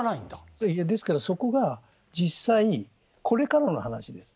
ですからそこが実際、これからの話です。